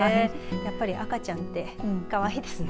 やっぱり赤ちゃんってかわいいですね。